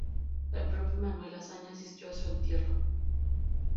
El propio Manuel Azaña asistió a su entierro.